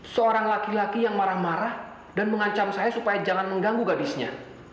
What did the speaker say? seorang laki laki yang marah marah dan mengancam saya supaya jangan mengganggu gadisnya